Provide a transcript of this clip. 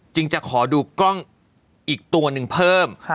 จะขอดูกล้องอีกตัวหนึ่งเพิ่ม